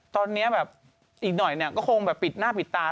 ตอนนี้อีกหน่อยก็คงหน้าผิดตา